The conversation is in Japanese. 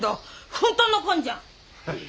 本当のこんじゃん。